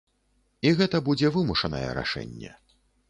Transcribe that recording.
І гэта будзе вымушанае рашэнне.